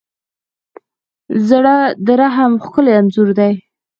زړه د رحم ښکلی انځور دی.